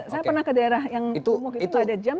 saya pernah ke daerah yang umum itu gak ada jam